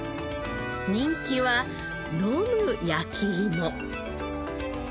人気は飲む焼き芋。